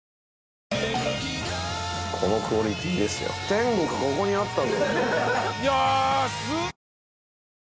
天国ここにあった。